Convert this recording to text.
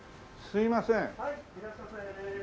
すいません。